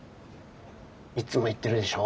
いっつも言ってるでしょ。